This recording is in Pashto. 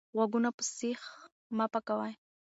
غوږونه په سیخ مه پاکوئ.